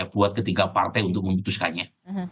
buat ketiga partai untuk memutuskannya